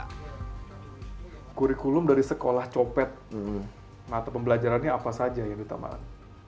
nah kurikulum dari sekolah copet mata pembelajarannya apa saja yang diutamakan